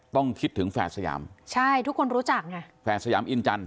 ต้องคิดถึงแฝดสยามใช่ทุกคนรู้จักไงแฝดสยามอินจันท